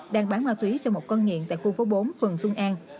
đang bán ma túy cho một con nghiện tại khu phố bốn phường xuân an